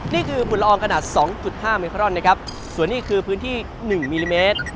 นี่คือฝุ่นละอองขนาด๒๕มิลลิเมตรร้อนส่วนนี้คือพื้นที่๑มิลลิเมตร